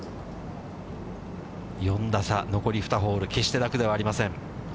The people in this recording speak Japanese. ４打差、残り２ホール、決して楽ではありません。